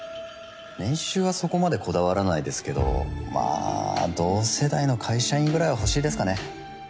年収はそこまでこだわらないですけどまあ同世代の会社員ぐらいは欲しいですかね。